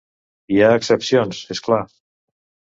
Hi ha excepcions, és clar.